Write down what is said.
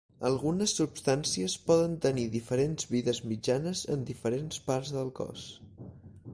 Algunes substàncies poden tenir diferents vides mitjanes en diferents parts del cos.